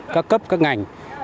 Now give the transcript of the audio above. các cấp các ngành